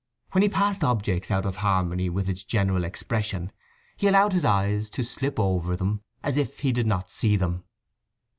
When he passed objects out of harmony with its general expression he allowed his eyes to slip over them as if he did not see them.